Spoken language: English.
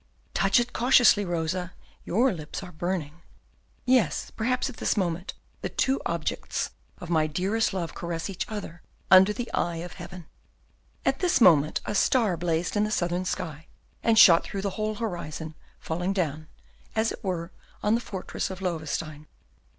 Touch it cautiously, Rosa, your lips are burning. Yes, perhaps at this moment the two objects of my dearest love caress each other under the eye of Heaven." At this moment, a star blazed in the southern sky, and shot through the whole horizon, falling down, as it were, on the fortress of Loewestein.